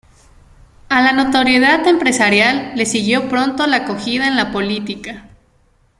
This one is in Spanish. A la notoriedad empresarial le siguió pronto la acogida en la política.